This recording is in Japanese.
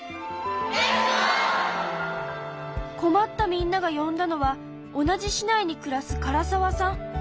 困ったみんなが呼んだのは同じ市内に暮らす唐澤さん。